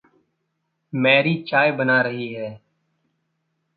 Mary चाय बना रही है।